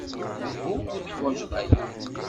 Uhu, ur teḥwajeḍ aya.